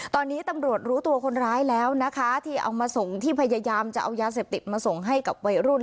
ตอนนี้ตำรวจรู้ตัวคนร้ายแล้วนะคะที่เอามาส่งที่พยายามจะเอายาเสพติดมาส่งให้กับวัยรุ่น